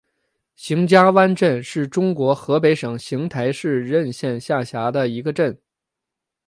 邢家湾镇是中国河北省邢台市任县下辖的一个镇。